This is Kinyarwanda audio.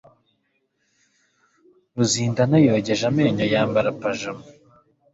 Ruzindana yogeje amenyo yambara pajama.